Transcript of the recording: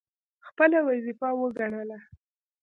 خپله وظیفه ګڼله.